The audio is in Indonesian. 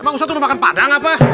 emang ustadz udah makan padang apa